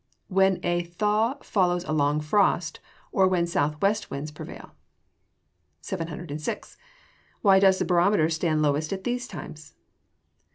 _ When a thaw follows a long frost; or when south west winds prevail. 706. _Why does the barometer stand lowest at those times?